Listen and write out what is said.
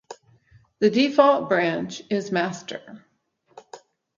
The default branch is master